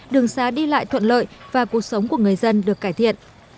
đường xá đi lại thuận lợi và cuộc sống của người dân được cải thiện